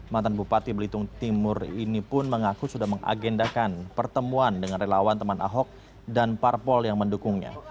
mantan bupati belitung timur ini pun mengaku sudah mengagendakan pertemuan dengan relawan teman ahok dan parpol yang mendukungnya